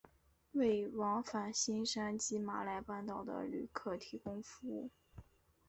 为往返新山及马来半岛的旅客提供服务。